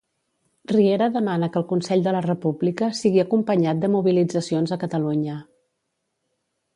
Riera demana que el Consell de la República sigui acompanyat de mobilitzacions a Catalunya.